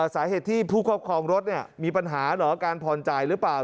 สาเหตุที่ผู้ครอบครองรถเนี่ยมีปัญหาเหรอการผอญใจหรือป่าว